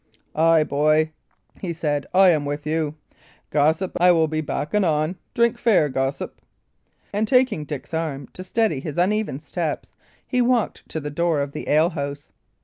"Ay, boy," he said, "I am with you. Gossip, I will be back anon. Drink fair, gossip;" and, taking Dick's arm to steady his uneven steps, he walked to the door of the alehouse.